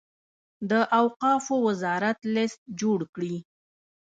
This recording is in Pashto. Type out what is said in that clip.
د اوقافو وزارت لست جوړ کړي.